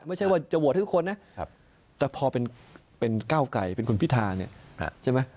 ไม่ใช่ว่าจะโหวตทุกคนนะแต่พอเป็นก้าวไก่เป็นคุณพิธา